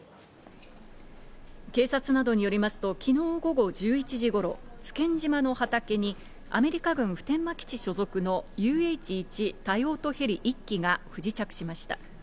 警察などによりますと、昨日午後１１時頃、津堅島の畑にアメリカ軍普天間基地所属のＵＨ１多用途ヘリ１機が不時着しました。